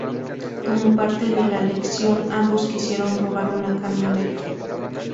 Como parte de la lección, ambos quisieron robar una camioneta.